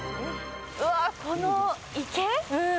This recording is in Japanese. うわー、この池？